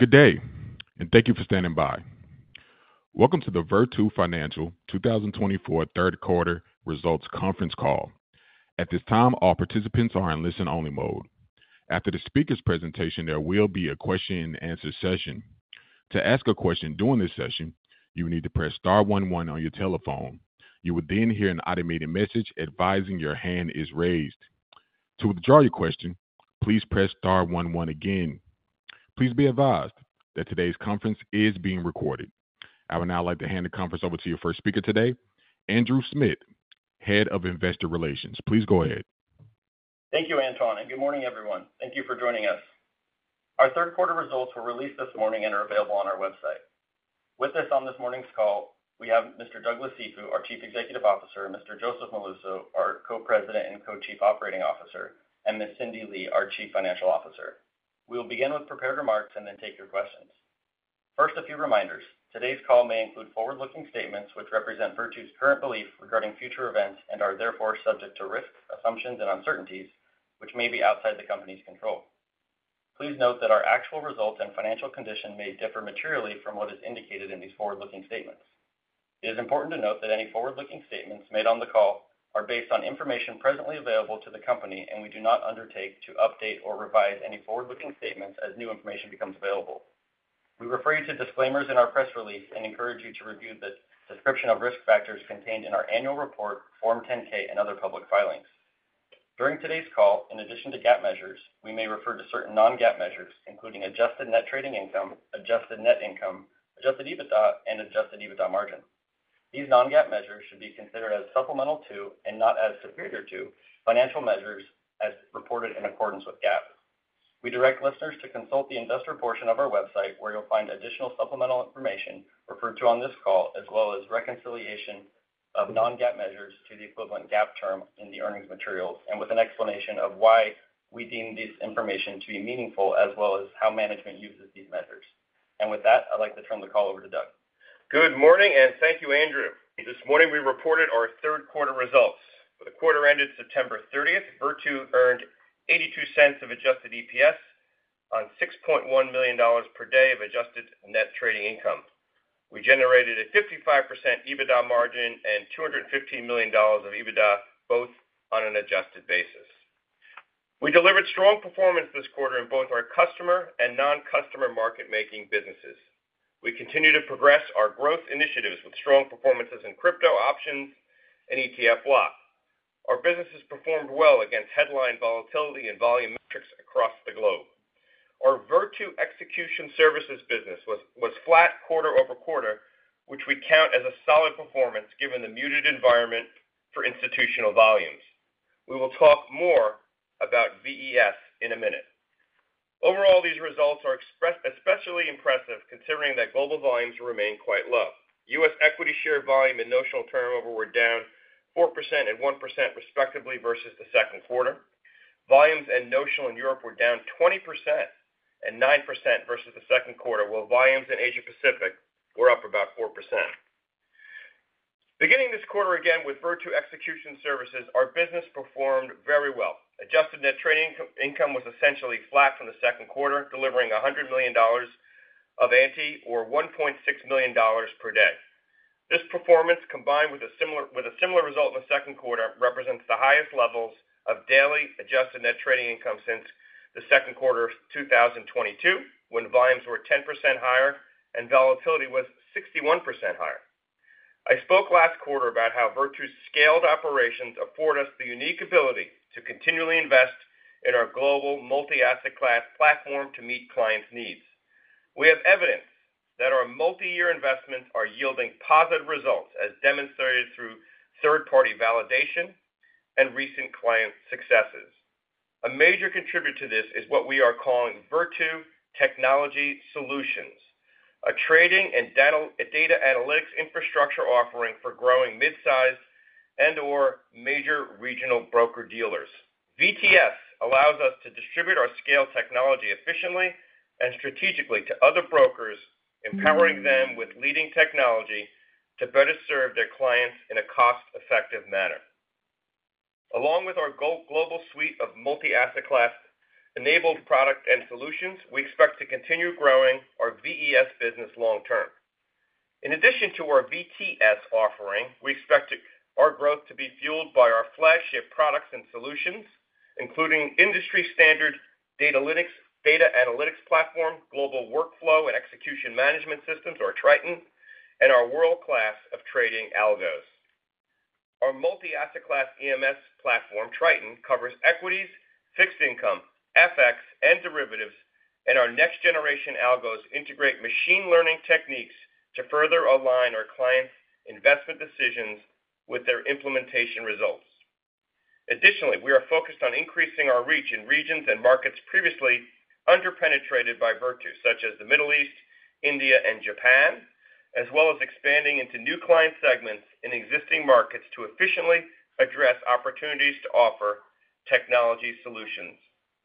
Good day, and thank you for standing by. Welcome to the Virtu Financial 2024 third quarter results conference call. At this time, all participants are in listen-only mode. After the speaker's presentation, there will be a Q&A session. To ask a question during this session, you will need to press star one one on your telephone. You will then hear an automated message advising your hand is raised. To withdraw your question, please press star one one again. Please be advised that today's conference is being recorded. I would now like to hand the conference over to your first speaker today, Andrew Smith, Head of Investor Relations. Please go ahead. Thank you, Anton, and good morning, everyone. Thank you for joining us. Our third quarter results were released this morning and are available on our website. With us on this morning's call, we have Mr. Douglas Cifu, our Chief Executive Officer, Mr. Joseph Molluso, our Co-President and Co-Chief Operating Officer, and Ms. Cindy Lee, our Chief Financial Officer. We will begin with prepared remarks and then take your questions. First, a few reminders. Today's call may include forward-looking statements, which represent Virtu's current belief regarding future events and are therefore subject to risks, assumptions, and uncertainties, which may be outside the company's control. Please note that our actual results and financial condition may differ materially from what is indicated in these forward-looking statements. It is important to note that any forward-looking statements made on the call are based on information presently available to the company, and we do not undertake to update or revise any forward-looking statements as new information becomes available. We refer you to disclaimers in our press release and encourage you to review the description of risk factors contained in our annual report, Form 10-K, and other public filings. During today's call, in addition to GAAP measures, we may refer to certain non-GAAP measures, including adjusted net trading income, adjusted net income, adjusted EBITDA, and adjusted EBITDA margin. These non-GAAP measures should be considered as supplemental to, and not as superior to, financial measures as reported in accordance with GAAP. We direct listeners to consult the investor portion of our website, where you'll find additional supplemental information referred to on this call, as well as reconciliation of non-GAAP measures to the equivalent GAAP term in the earnings materials, and with an explanation of why we deem this information to be meaningful, as well as how management uses these measures, and with that, I'd like to turn the call over to Doug. Good morning, and thank you, Andrew. This morning, we reported our third quarter results. For the quarter ended September thirtieth, Virtu earned $0.82 of adjusted EPS on $6.1 million per day of adjusted net trading income. We generated a 55% EBITDA margin and $215 million of EBITDA, both on an adjusted basis. We delivered strong performance this quarter in both our customer and non-customer market-making businesses. We continue to progress our growth initiatives with strong performances in crypto, options, and ETF block. Our businesses performed well against headline volatility and volume metrics across the globe. Our Virtu Execution Services business was flat quarter over quarter, which we count as a solid performance, given the muted environment for institutional volumes. We will talk more about VES in a minute. Overall, these results are especially impressive, considering that global volumes remain quite low. U.S. equity share volume and notional turnover were down 4% and 1%, respectively, versus the second quarter. Volumes and notional in Europe were down 20% and 9% versus the second quarter, while volumes in Asia-Pacific were up about 4%. Beginning this quarter again with Virtu Execution Services, our business performed very well. Adjusted Net Trading Income was essentially flat from the second quarter, delivering $100 million of ANTI or $1.6 million per day. This performance, combined with a similar result in the second quarter, represents the highest levels of daily Adjusted Net Trading Income since the second quarter of 2022, when volumes were 10% higher and volatility was 61% higher. I spoke last quarter about how Virtu's scaled operations afford us the unique ability to continually invest in our global multi-asset class platform to meet clients' needs. We have evidence that our multi-year investments are yielding positive results, as demonstrated through third-party validation and recent client successes. A major contributor to this is what we are calling Virtu Technology Solutions, a trading and data analytics infrastructure offering for growing mid-sized and/or major regional broker-dealers. VTS allows us to distribute our scale technology efficiently and strategically to other brokers, empowering them with leading technology to better serve their clients in a cost-effective manner. Along with our go-global suite of multi-asset class enabled products and solutions, we expect to continue growing our VES business long term. In addition to our VTS offering, we expect our growth to be fueled by our flagship products and solutions, including industry-standard data analytics platform, global workflow and execution management systems, or Triton, and our world-class of trading algos. Our multi-asset class EMS platform, Triton, covers equities, fixed income, FX, and derivatives, and our next-generation algos integrate machine learning techniques to further align our clients' investment decisions with their implementation results. Additionally, we are focused on increasing our reach in regions and markets previously under-penetrated by Virtu, such as the Middle East, India, and Japan, as well as expanding into new client segments in existing markets to efficiently address opportunities to offer technology solutions.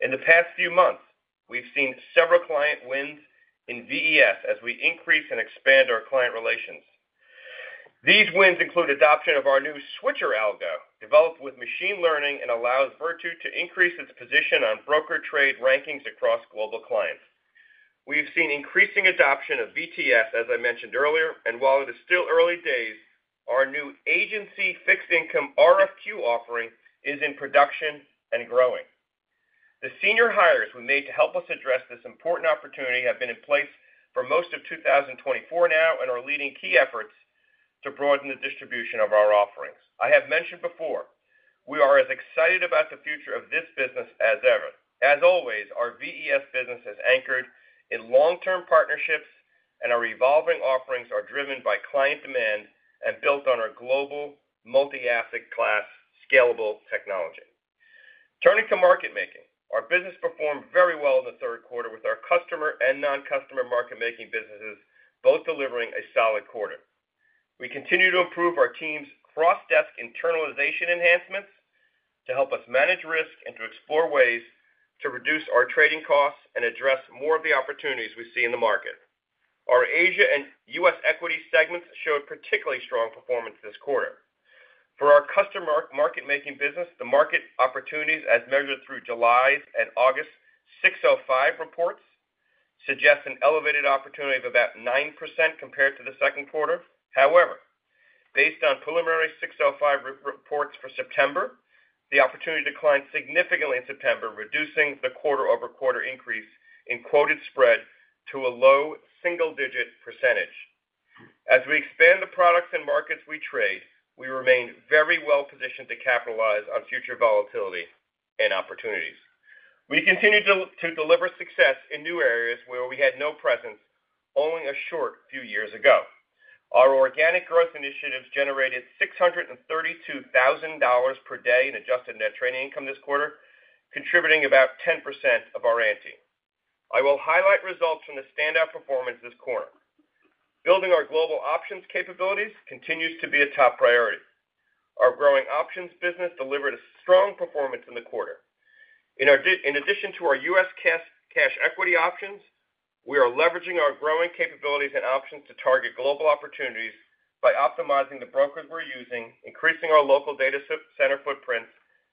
In the past few months, we've seen several client wins in VES as we increase and expand our client relations. These wins include adoption of our new Switcher Algo, developed with machine learning, and allows Virtu to increase its position on broker trade rankings across global clients. We've seen increasing adoption of VTS, as I mentioned earlier, and while it is still early days, our new agency fixed income RFQ offering is in production and growing. The senior hires who were made to help us address this important opportunity have been in place for most of two thousand and twenty-four now, and are leading key efforts to broaden the distribution of our offerings. I have mentioned before, we are as excited about the future of this business as ever. As always, our VES business is anchored in long-term partnerships, and our evolving offerings are driven by client demand and built on our global, multi-asset class, scalable technology. Turning to market making. Our business performed very well in the third quarter, with our customer and non-customer market-making businesses both delivering a solid quarter. We continue to improve our team's cross-desk internalization enhancements to help us manage risk and to explore ways to reduce our trading costs and address more of the opportunities we see in the market. Our Asia and US equity segments showed particularly strong performance this quarter. For our customer market-making business, the market opportunities, as measured through July's and August's 605 reports, suggest an elevated opportunity of about 9% compared to the second quarter. However, based on preliminary 605 reports for September, the opportunity declined significantly in September, reducing the quarter-over-quarter increase in quoted spread to a low single-digit %. As we expand the products and markets we trade, we remain very well positioned to capitalize on future volatility and opportunities. We continue to deliver success in new areas where we had no presence only a short few years ago. Our organic growth initiatives generated $632,000 per day in Adjusted Net Trading Income this quarter, contributing about 10% of our ANTI. I will highlight results from the standout performance this quarter. Building our global options capabilities continues to be a top priority. Our growing options business delivered a strong performance in the quarter. In addition to our US cash equity options, we are leveraging our growing capabilities and options to target global opportunities by optimizing the brokers we're using, increasing our local data center footprint,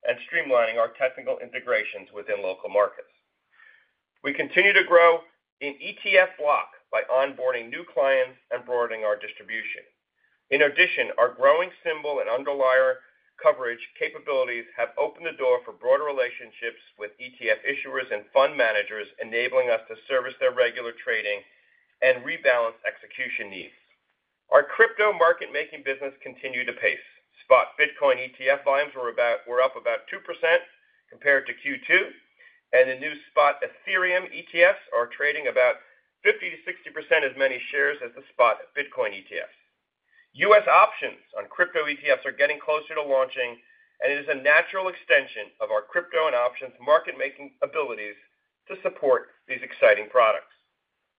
and streamlining our technical integrations within local markets. We continue to grow in ETF Block by onboarding new clients and broadening our distribution. In addition, our growing symbol and underlier coverage capabilities have opened the door for broader relationships with ETF issuers and fund managers, enabling us to service their regular trading and rebalance execution needs. Our crypto market-making business continued to pace. Spot Bitcoin ETF volumes were up about 2% compared to Q2, and the new Spot Ethereum ETFs are trading about 50% to 60% as many shares as the Spot Bitcoin ETFs. U.S. options on crypto ETFs are getting closer to launching, and it is a natural extension of our crypto and options market-making abilities to support these exciting products.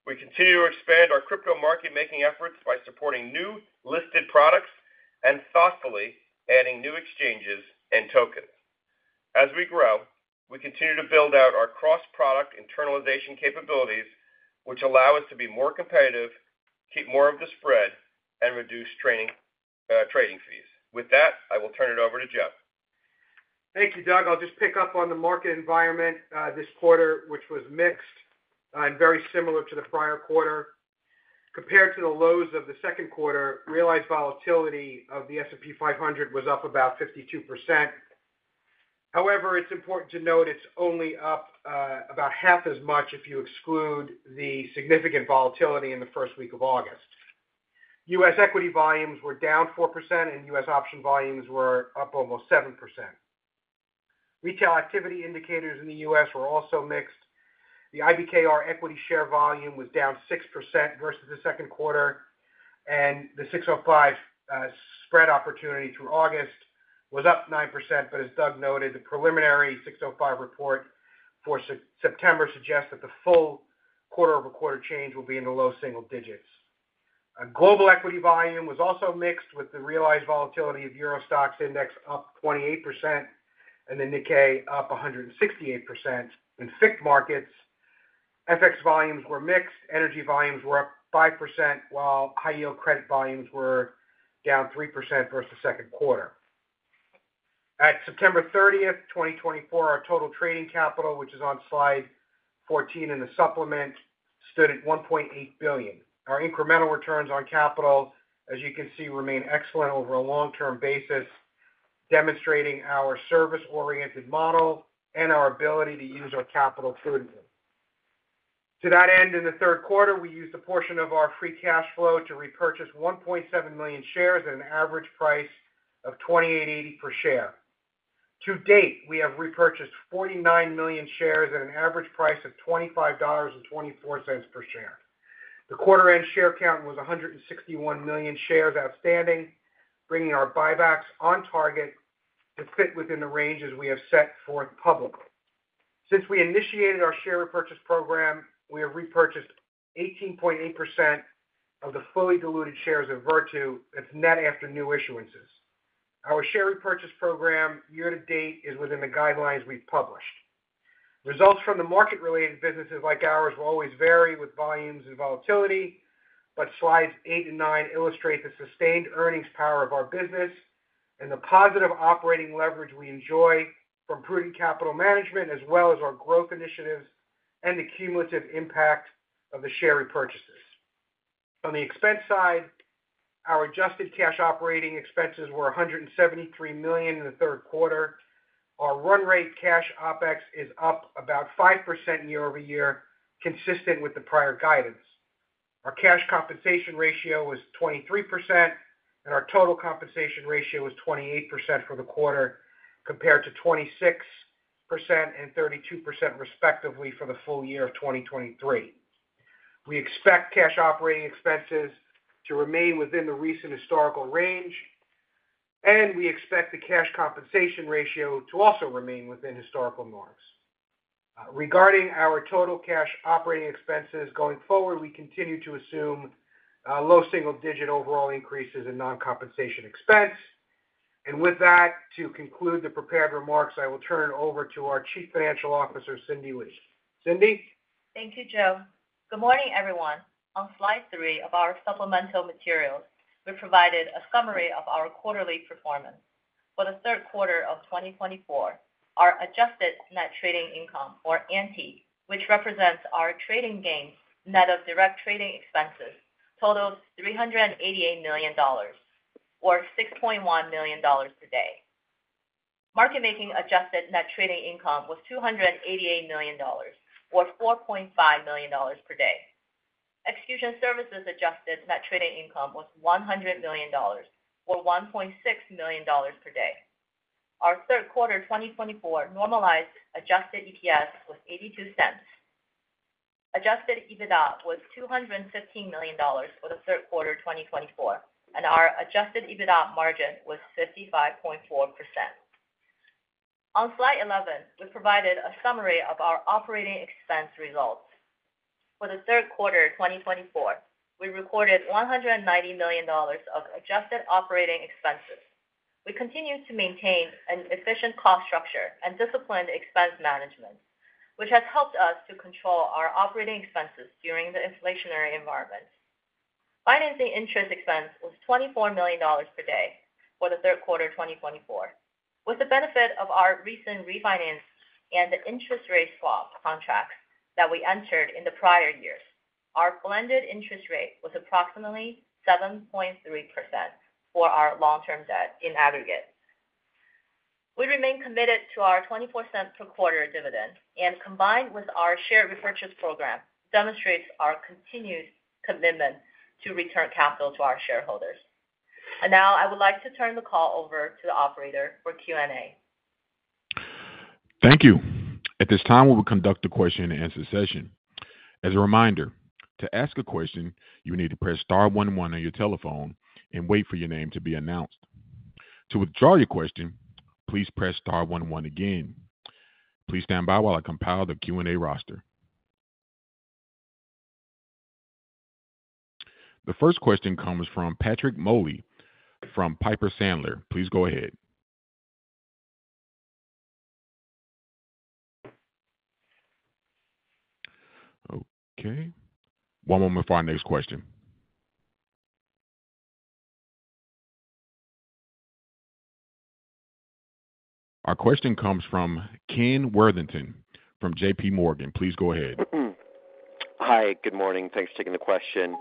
We continue to expand our crypto market-making efforts by supporting new listed products and thoughtfully adding new exchanges and tokens. As we grow, we continue to build out our cross-product internalization capabilities, which allow us to be more competitive, keep more of the spread, and reduce transaction trading fees. With that, I will turn it over to Joseph. Thank you, Doug. I'll just pick up on the market environment this quarter, which was mixed and very similar to the prior quarter. Compared to the lows of the second quarter, realized volatility of the S&P 500 was up about 52%. However, it's important to note it's only up about half as much if you exclude the significant volatility in the first week of August. US equity volumes were down 4%, and US option volumes were up almost 7%. Retail activity indicators in the US were also mixed. The IBKR equity share volume was down 6% versus the second quarter, and the 605 spread opportunity through August was up 9%. But as Doug noted, the preliminary 605 report for September suggests that the full quarter-over-quarter change will be in the low single digits. A global equity volume was also mixed, with the realized volatility of Euro STOXX index up 28% and the Nikkei up 168%. In FICC markets, FX volumes were mixed, energy volumes were up 5%, while high-yield credit volumes were down 3% versus the second quarter. At September thirtieth, 2024, our total trading capital, which is on slide 14 in the supplement, stood at $1.8 billion. Our incremental returns on capital, as you can see, remain excellent over a long-term basis, demonstrating our service-oriented model and our ability to use our capital prudently. To that end, in the third quarter, we used a portion of our free cash flow to repurchase 1.7 million shares at an average price of $28.80 per share. To date, we have repurchased 49 million shares at an average price of $25.24 per share. The quarter-end share count was 161 million shares outstanding, bringing our buybacks on target to fit within the ranges we have set forth publicly. Since we initiated our share repurchase program, we have repurchased 18.8% of the fully diluted shares of Virtu, that's net after new issuances. Our share repurchase program year to date is within the guidelines we've published.... Results from the market-related businesses like ours will always vary with volumes and volatility, but slides 8 and 9 illustrate the sustained earnings power of our business and the positive operating leverage we enjoy from prudent capital management, as well as our growth initiatives and the cumulative impact of the share repurchases. On the expense side, our adjusted cash operating expenses were $173 million in the third quarter. Our run rate cash OpEx is up about 5% year over year, consistent with the prior guidance. Our cash compensation ratio was 23%, and our total compensation ratio was 28% for the quarter, compared to 26% and 32% respectively for the full year of 2023. We expect cash operating expenses to remain within the recent historical range, and we expect the cash compensation ratio to also remain within historical norms. Regarding our total cash operating expenses going forward, we continue to assume low single-digit overall increases in non-compensation expense. And with that, to conclude the prepared remarks, I will turn it over to our Chief Financial Officer, Cindy Lee. Cindy? Thank you, Joe. Good morning, everyone. On Slide 3 of our supplemental materials, we provided a summary of our quarterly performance. For the third quarter of 2024, our adjusted net trading income, or ANTI, which represents our trading gains net of direct trading expenses, totaled $388 million, or $6.1 million per day. Market making adjusted net trading income was $288 million, or $4.5 million per day. Execution services adjusted net trading income was $100 million, or $1.6 million per day. Our third quarter 2024 normalized adjusted EPS was $0.82. Adjusted EBITDA was $215 million for the third quarter 2024, and our adjusted EBITDA margin was 55.4%. On Slide 11, we provided a summary of our operating expense results. For the third quarter 2024, we recorded $190 million of adjusted operating expenses. We continue to maintain an efficient cost structure and disciplined expense management, which has helped us to control our operating expenses during the inflationary environment. Financing interest expense was $24 million per day for the third quarter 2024. With the benefit of our recent refinance and the interest rate swap contracts that we entered in the prior years, our blended interest rate was approximately 7.3% for our long-term debt in aggregate. We remain committed to our $0.24 per quarter dividend, and combined with our share repurchase program, demonstrates our continued commitment to return capital to our shareholders. Now I would like to turn the call over to the operator for Q&A. Thank you. At this time, we will conduct a Q&A session. As a reminder, to ask a question, you need to press star one one on your telephone and wait for your name to be announced. To withdraw your question, please press star one one again. Please stand by while I compile the Q&A roster. The first question comes from Patrick Moley from Piper Sandler. Please go ahead. Okay, one moment for our next question. Our question comes from Ken Worthington, from J.P. Morgan. Please go ahead. Hi, good morning. Thanks for taking the question.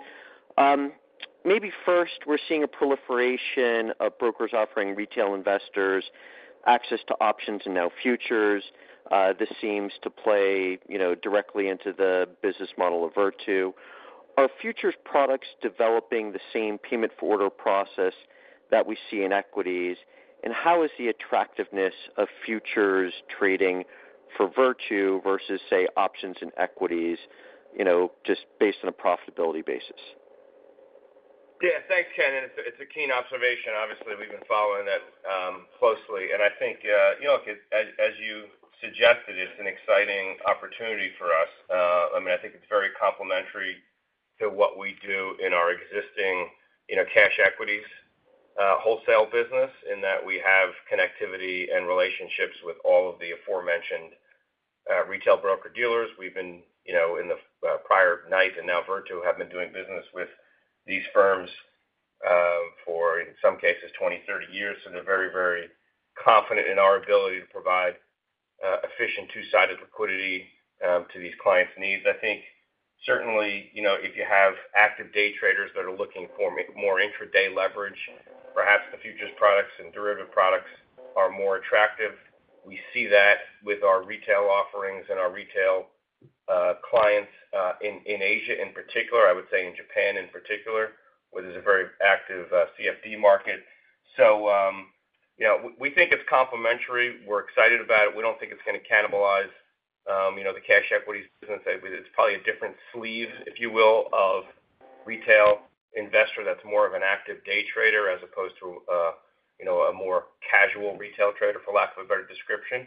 Maybe first, we're seeing a proliferation of brokers offering retail investors access to options and now futures. This seems to play, you know, directly into the business model of Virtu. Are futures products developing the same payment for order process that we see in equities? And how is the attractiveness of futures trading for Virtu versus, say, options and equities, you know, just based on a profitability basis? Thanks, Ken. It's a keen observation. Obviously, we've been following it closely, and I think, you know, as you suggested, it's an exciting opportunity for us. I mean, I think it's very complementary to what we do in our existing, you know, cash equities wholesale business, in that we have connectivity and relationships with all of the aforementioned retail broker-dealers. We've been, you know, in the prior name, and now Virtu, doing business with these firms for, in some cases, 20, 30 years. So they're very, very confident in our ability to provide efficient two-sided liquidity to these clients' needs. I think certainly, you know, if you have active day traders that are looking for more intraday leverage, perhaps the futures products and derivative products are more attractive. We see that with our retail offerings and our retail clients in Asia in particular, I would say in Japan in particular, where there's a very active CFD market. So, you know, we think it's complementary. We're excited about it. We don't think it's gonna cannibalize, you know, the cash equities business. I think it's probably a different sleeve, if you will, of retail investor that's more of an active day trader, as opposed to, you know, a more casual retail trader, for lack of a better description.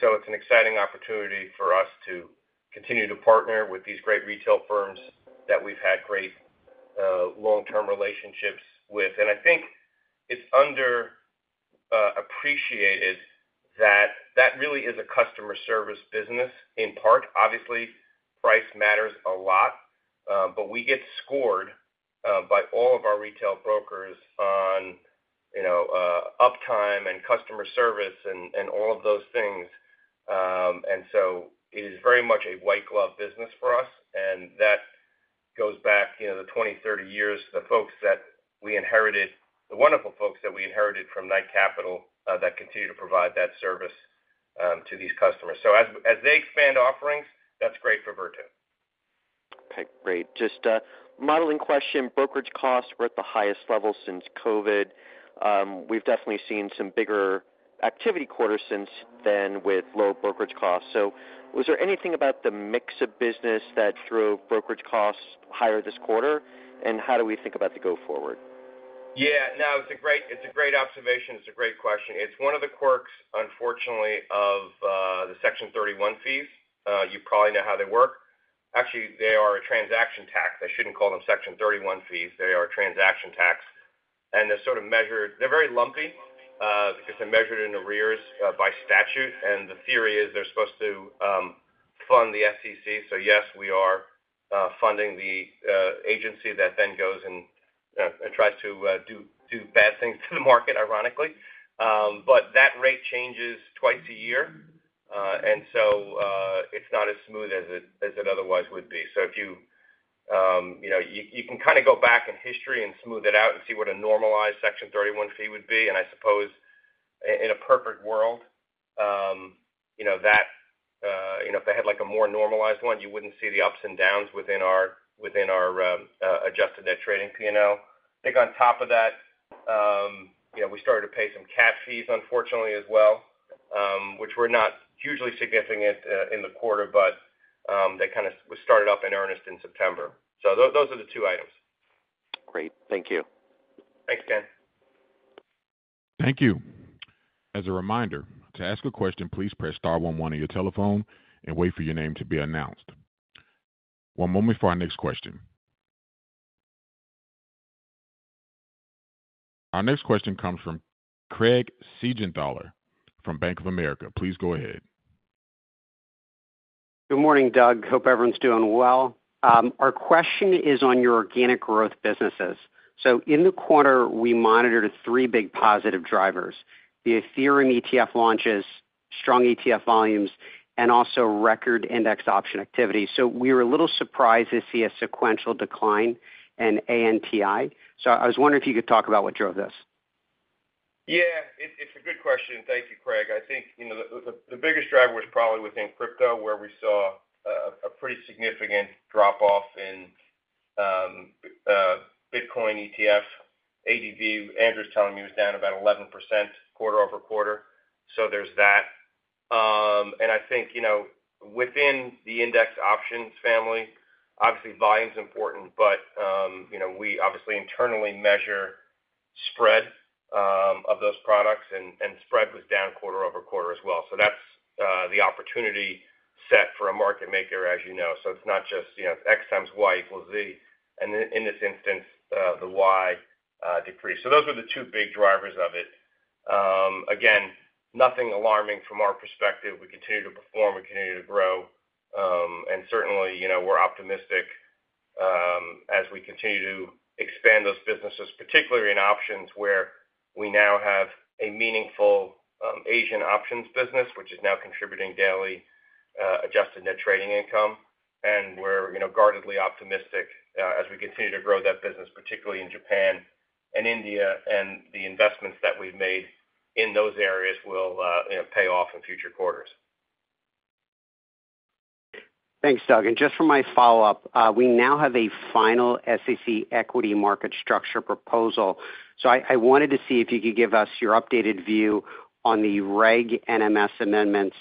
So it's an exciting opportunity for us to continue to partner with these great retail firms that we've had great-... long-term relationships with. And I think it's underappreciated that that really is a customer service business in part. Obviously, price matters a lot, but we get scored by all of our retail brokers on, you know, uptime and customer service and all of those things. And so it is very much a white glove business for us, and that goes back, you know, the twenty, thirty years, the wonderful folks that we inherited from Knight Capital that continue to provide that service to these customers. So as they expand offerings, that's great for Virtu. Okay, great. Just a modeling question. Brokerage costs were at the highest level since COVID. We've definitely seen some bigger activity quarters since then with low brokerage costs. So was there anything about the mix of business that drove brokerage costs higher this quarter? And how do we think about the go forward? No, it's a great, it's a great observation. It's a great question. It's one of the quirks, unfortunately, of the Section 31 fees. You probably know how they work. Actually, they are a transaction tax. I shouldn't call them Section 31 fees. They are a transaction tax, and they're measured. They're very lumpy, because they're measured in arrears, by statute, and the theory is they're supposed to fund the SEC. So yes, we are funding the agency that then goes and tries to do bad things to the market, ironically. But that rate changes twice a year, and so it's not as smooth as it otherwise would be. So if you, you know, can go back in history and smooth it out and see what a normalized Section 31 fee would be. And I suppose in a perfect world, you know, that, you know, if they had, like, a more normalized one, you wouldn't see the ups and downs within our adjusted net trading P&L. I think on top of that, you know, we started to pay some CAT fees, unfortunately, as well, which were not hugely significant in the quarter, but they were started off in earnest in September. So those are the two items. Great. Thank you. Thanks, Ken. Thank you. As a reminder, to ask a question, please press star one one on your telephone and wait for your name to be announced. One moment for our next question. Our next question comes from Craig Siegenthaler from Bank of America. Please go ahead. Good morning, Doug. Hope everyone's doing well. Our question is on your organic growth businesses. In the quarter, we monitored three big positive drivers, the Ethereum ETF launches, strong ETF volumes, and also record index option activity. We were a little surprised to see a sequential decline in ANTI. I was wondering if you could talk about what drove this. It's a good question. Thank you, Craig. I think, you know, the biggest driver was probably within crypto, where we saw a pretty significant drop-off in Bitcoin ETF ADV. Andrew's telling me it was down about 11% quarter over quarter. So there's that. And I think, you know, within the index options family, obviously, volume's important, but, you know, we obviously internally measure spread of those products, and spread was down quarter over quarter as well. So that's the opportunity set for a market maker, as you know. So it's not just, you know, X times Y equals Z, and in this instance, the Y decreased. So those are the two big drivers of it. Again, nothing alarming from our perspective. We continue to perform, we continue to grow. And certainly, you know, we're optimistic as we continue to expand those businesses, particularly in options, where we now have a meaningful Asian options business, which is now contributing daily adjusted net trading income. And we're, you know, guardedly optimistic as we continue to grow that business, particularly in Japan and India, and the investments that we've made in those areas will, you know, pay off in future quarters. Thanks, Doug. And just for my follow-up, we now have a final SEC equity market structure proposal. So I wanted to see if you could give us your updated view on the Reg NMS amendments,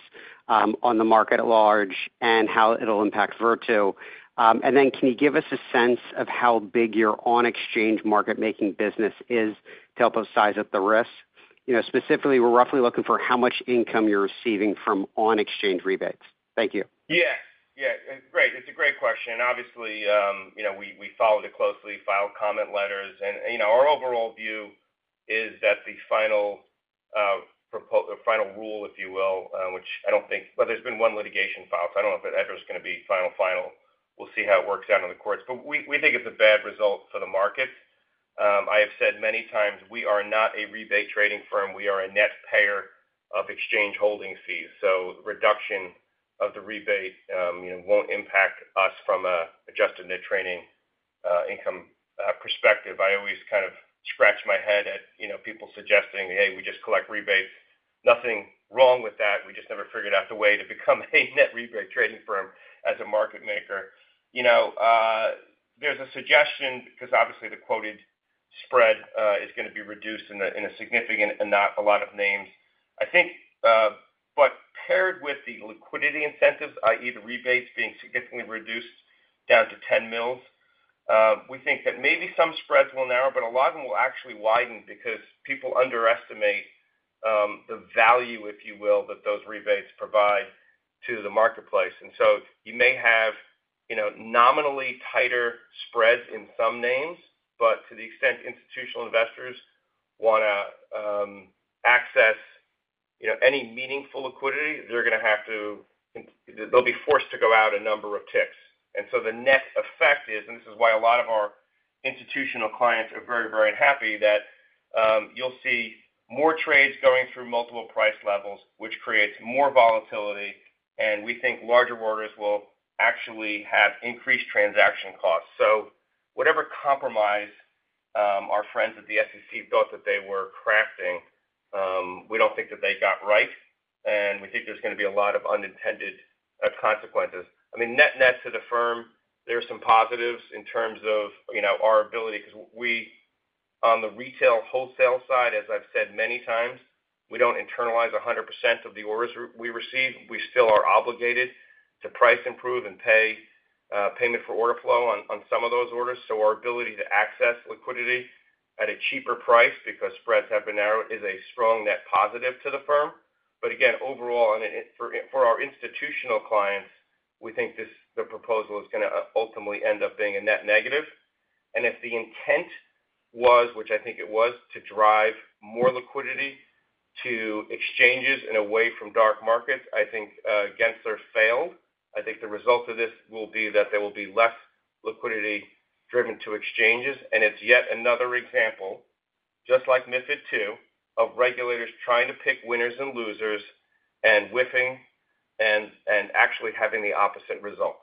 on the market at large and how it'll impact Virtu. And then, can you give us a sense of how big your on-exchange market-making business is to help us size up the risk? You know, specifically, we're roughly looking for how much income you're receiving from on-exchange rebates. Thank you. It's great. It's a great question, and obviously, you know, we, we followed it closely, filed comment letters, and you know, our overall view is that the final, the final rule, if you will, which I don't think... but there's been one litigation filed, so I don't know if that's ever going to be final, final. We'll see how it works out in the courts, but we, we think it's a bad result for the market. I have said many times we are not a rebate trading firm. We are a net payer of exchange handling fees, so reduction of the rebate, you know, won't impact us from a Adjusted Net Trading Income perspective. I always scratch my head at, you know, people suggesting, "Hey, we just collect rebates." Nothing wrong with that. We just never figured out a way to become a net rebate trading firm as a market maker. You know, there's a suggestion, because obviously the quoted spread is going to be reduced in a significant and not a lot of names. I think, but paired with the liquidity incentives, i.e., the rebates being significantly reduced down to ten mills, we think that maybe some spreads will narrow, but a lot of them will actually widen because people underestimate the value, if you will, that those rebates provide to the marketplace. And so you may have, you know, nominally tighter spreads in some names, but to the extent institutional investors want to access, you know, any meaningful liquidity, they're going to have to. They'll be forced to go out a number of ticks. And so the net effect is, and this is why a lot of our institutional clients are very, very happy, that you'll see more trades going through multiple price levels, which creates more volatility, and we think larger orders will actually have increased transaction costs. So whatever compromise our friends at the SEC thought that they were crafting, we don't think that they got right, and we think there's going to be a lot of unintended consequences. I mean, net, net to the firm, there are some positives in terms of, you know, our ability, because we, on the retail wholesale side, as I've said many times, we don't internalize 100% of the orders we receive. We still are obligated to price improve, and pay payment for order flow on some of those orders. So our ability to access liquidity at a cheaper price because spreads have been narrowed, is a strong net positive to the firm. But again, overall, and for our institutional clients, we think this, the proposal is going to ultimately end up being a net negative. And if the intent was, which I think it was, to drive more liquidity to exchanges and away from dark markets, I think, Gensler failed. I think the result of this will be that there will be less liquidity driven to exchanges, and it's yet another example, just like MiFID II, of regulators trying to pick winners and losers and whiffing and actually having the opposite result.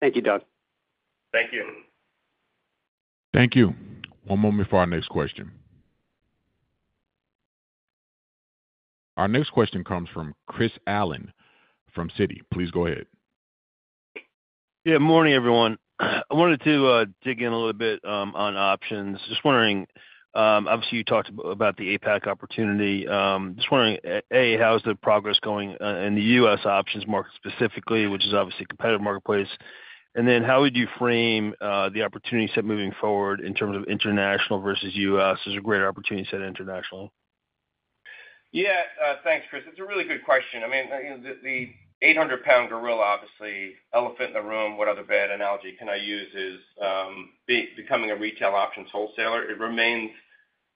Thank you, Doug. Thank you. Thank you. One moment for our next question. Our next question comes from Chris Allen from Citi. Please go ahead. Morning, everyone. I wanted to dig in a little bit on options. Just wondering, obviously, you talked about the APAC opportunity. Just wondering, how's the progress going in the US options market specifically, which is obviously a competitive marketplace? And then how would you frame the opportunity set moving forward in terms of international versus US as a greater opportunity set international? Thanks, Chris. It's a really good question. I mean, the eight hundred-pound gorilla, obviously, elephant in the room, what other bad analogy can I use is becoming a retail options wholesaler. It remains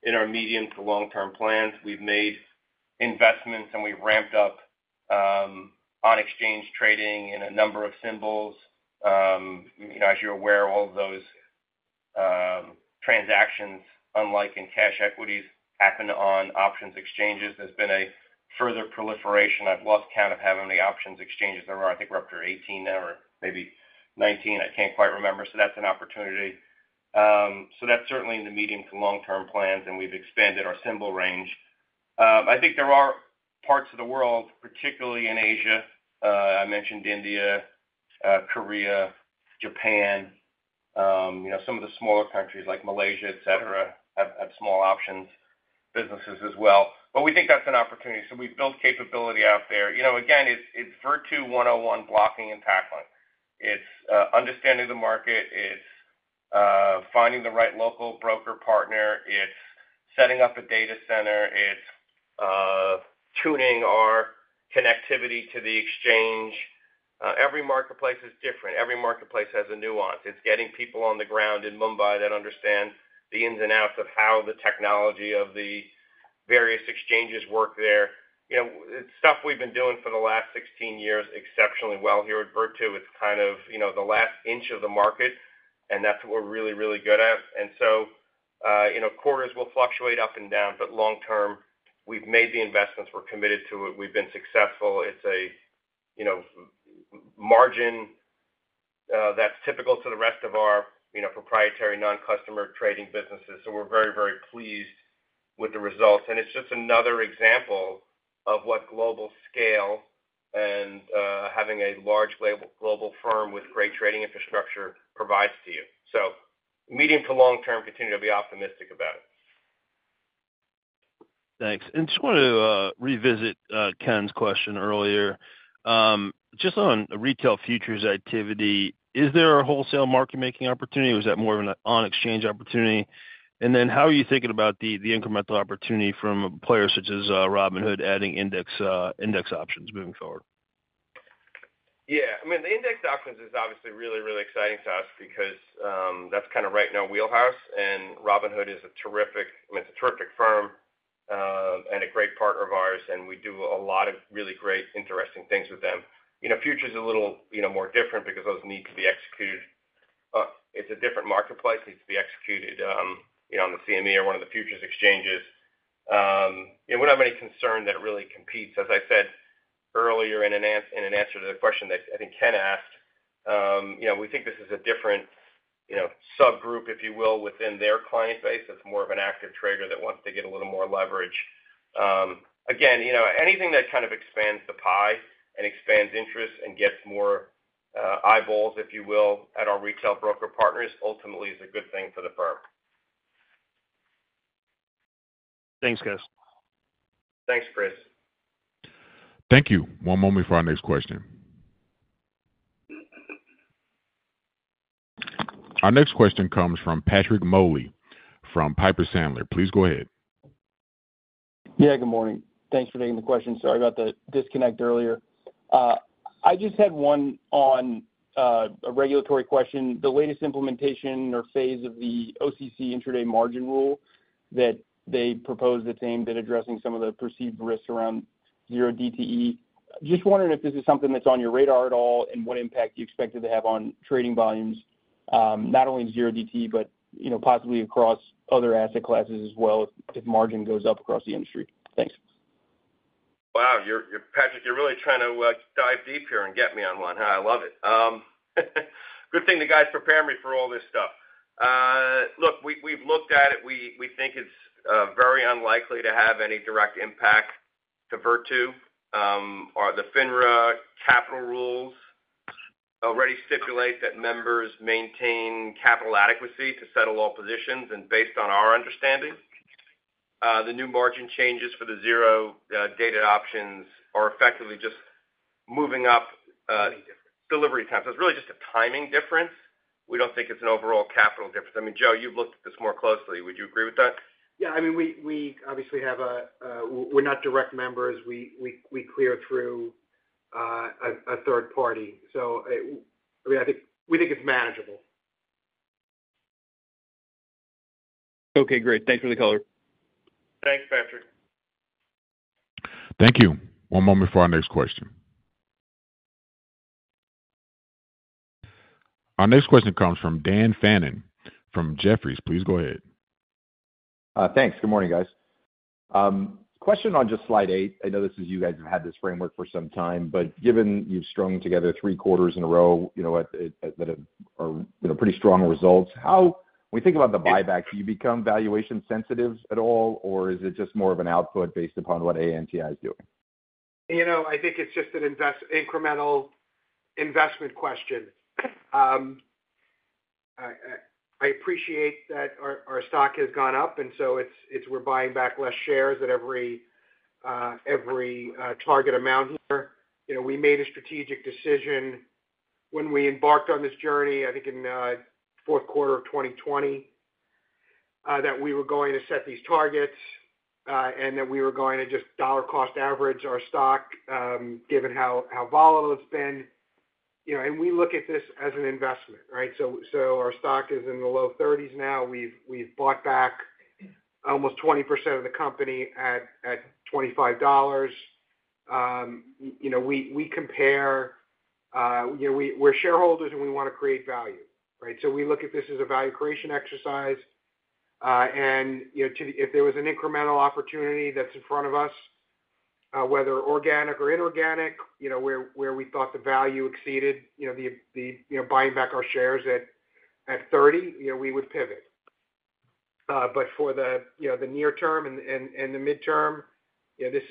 in our medium to long-term plans. We've made investments, and we've ramped up on exchange trading in a number of symbols. You know, as you're aware, all of those transactions, unlike in cash equities, happen on options exchanges. There's been a further proliferation. I've lost count of how many options exchanges there are. I think we're up to 18 now, or maybe 19. I can't quite remember. So that's an opportunity. So that's certainly in the medium to long-term plans, and we've expanded our symbol range. I think there are parts of the world, particularly in Asia, I mentioned India, Korea, Japan, you know, some of the smaller countries like Malaysia, et cetera, have small options businesses as well. But we think that's an opportunity, so we've built capability out there. You know, again, it's Virtu 101, blocking and tackling. It's understanding the market. It's finding the right local broker partner. It's setting up a data center. It's tuning our connectivity to the exchange. Every marketplace is different. Every marketplace has a nuance. It's getting people on the ground in Mumbai that understand the ins and outs of how the technology of the various exchanges work there. You know, it's stuff we've been doing for the last 16 years exceptionally well here at Virtu. It's the last inch of the market, and that's what we're really, really good at, and so you know, quarters will fluctuate up and down, but long term, we've made the investments. We're committed to it. We've been successful. It's a, you know, margin that's typical to the rest of our, you know, proprietary non-customer trading businesses, so we're very, very pleased with the results, and it's just another example of what global scale and having a large global firm with great trading infrastructure provides to you, so medium to long term, continue to be optimistic about it. Thanks. And just wanted to revisit Ken's question earlier. Just on retail futures activity, is there a wholesale market-making opportunity, or is that more of an on-exchange opportunity? And then how are you thinking about the incremental opportunity from players such as Robinhood, adding index options moving forward? The index options is obviously really, really exciting to us because that's right in our wheelhouse, and Robinhood is a terrific... I mean, it's a terrific firm, and a great partner of ours, and we do a lot of really great, interesting things with them. You know, futures is a little, you know, more different because those need to be executed. It's a different marketplace. It needs to be executed, you know, on the CME or one of the futures exchanges. We don't have any concern that it really competes. As I said earlier in an answer to the question that I think Ken asked, you know, we think this is a different, you know, subgroup, if you will, within their client base. It's more of an active trader that wants to get a little more leverage. Again, you know, anything that expands the pie and expands interest and gets more eyeballs, if you will, at our retail broker partners, ultimately is a good thing for the firm.... Thanks, guys. Thanks, Chris. Thank you. One moment for our next question. Our next question comes from Patrick Moley, from Piper Sandler. Please go ahead. Good morning. Thanks for taking the question. Sorry about the disconnect earlier. I just had one on a regulatory question. The latest implementation or phase of the OCC Intraday Margin Rule, that they proposed, it's aimed at addressing some of the perceived risks around zero DTE. Just wondering if this is something that's on your radar at all, and what impact do you expect it to have on trading volumes, not only zero DTE, but, you know, possibly across other asset classes as well, if, if margin goes up across the industry? Thanks. Wow, you're-- Patrick, you're really trying to dive deep here and get me on one. I love it. Good thing the guys prepare me for all this stuff. Look, we've looked at it. We think it's very unlikely to have any direct impact to Virtu. The FINRA capital rules already stipulate that members maintain capital adequacy to settle all positions, and based on our understanding, the new margin changes for the zero dated options are effectively just moving up delivery times. It's really just a timing difference. We don't think it's an overall capital difference. I mean, Joe, you've looked at this more closely. Would you agree with that? We obviously have a... We're not direct members. We clear through a third party. So, I mean, we think it's manageable. Okay, great. Thanks for the color. Thanks, Patrick. Thank you. One moment for our next question. Our next question comes from Dan Fannon, from Jefferies. Please go ahead. Thanks. Good morning, guys. Question on just slide eight. I know this is you guys have had this framework for some time, but given you've strung together three quarters in a row, you know, at that are, you know, pretty strong results, how... When we think about the buyback, do you become valuation sensitives at all, or is it just more of an output based upon what ANTI is doing? You know, I think it's just an incremental investment question. I appreciate that our stock has gone up, and so we're buying back less shares at every target amount here. You know, we made a strategic decision when we embarked on this journey, I think, in fourth quarter of 2020, that we were going to set these targets, and that we were going to just dollar cost average our stock, given how volatile it's been. You know, and we look at this as an investment, right? So our stock is in the low thirties now. We've bought back almost 20% of the company at $25. You know, we compare, you know, we're shareholders and we want to create value, right? So we look at this as a value creation exercise. And, you know, if there was an incremental opportunity that's in front of us, whether organic or inorganic, you know, where we thought the value exceeded, you know, the buying back our shares at thirty, you know, we would pivot. But for the, you know, the near term and the midterm, this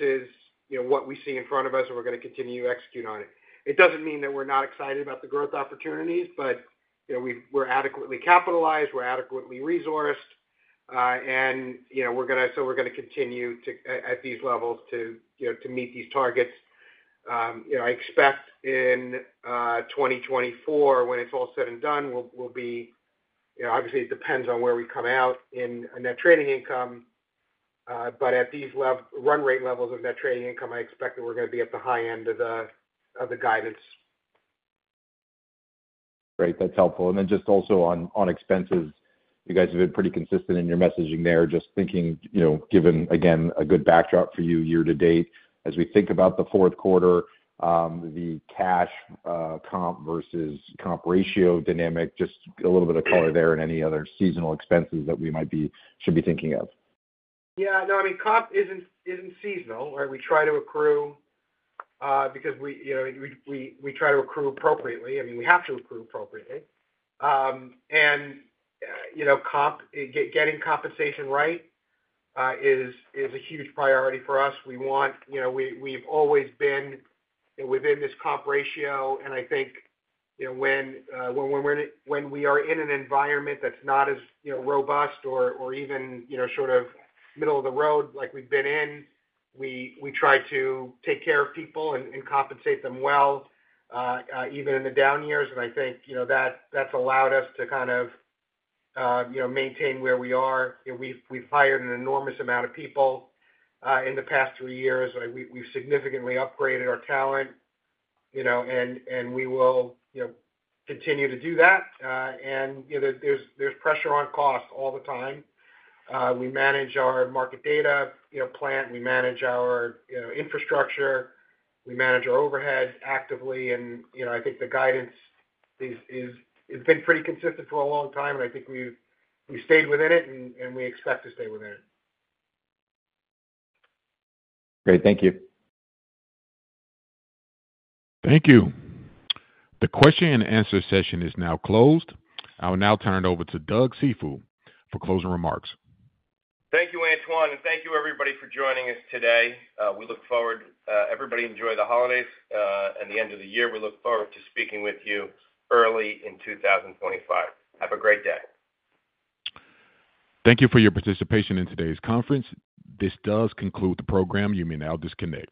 is what we see in front of us, and we're going to continue to execute on it. It doesn't mean that we're not excited about the growth opportunities, but, you know, we're adequately capitalized, we're adequately resourced, and, you know, so we're gonna continue to at these levels to, you know, to meet these targets. You know, I expect in 2024, when it's all said and done, we'll be. You know, obviously, it depends on where we come out in net trading income, but at these level run rate levels of net trading income, I expect that we're gonna be at the high end of the guidance. Great, that's helpful. And then just also on expenses, you guys have been pretty consistent in your messaging there. Just thinking, you know, given, again, a good backdrop for you year to date, as we think about the fourth quarter, the cash comp versus comp ratio dynamic, just a little bit of color there and any other seasonal expenses that we might should be thinking of. No, I mean, comp isn't seasonal, right? We try to accrue, because we, you know, we try to accrue appropriately. I mean, we have to accrue appropriately. And, you know, comp, getting compensation right, is a huge priority for us. We want... You know, we, we've always been within this comp ratio, and I think, you know, when we are in an environment that's not as, you know, robust or even, you know, middle of the road like we've been in, we try to take care of people and compensate them well, even in the down years. And I think, you know, that's allowed us to maintain where we are. You know, we've hired an enormous amount of people in the past three years. We've significantly upgraded our talent, you know, and we will, you know, continue to do that. And, you know, there's pressure on cost all the time. We manage our market data plan, you know, we manage our infrastructure, we manage our overhead actively, and, you know, I think the guidance is, it's been pretty consistent for a long time, and I think we've stayed within it, and we expect to stay within it. Great. Thank you. Thank you. The Q&A session is now closed. I will now turn it over to Douglas Cifu for closing remarks. Thank you, Anton, and thank you, everybody, for joining us today. We look forward. Everybody enjoy the holidays, and the end of the year. We look forward to speaking with you early in two thousand twenty-five. Have a great day. Thank you for your participation in today's conference. This does conclude the program. You may now disconnect.